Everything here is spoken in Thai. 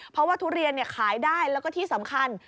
เพราะว่าทุเรียนขายได้แล้วก็ที่สำคัญ